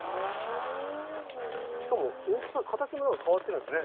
しかも大きさ形もなんか変わってるんですね。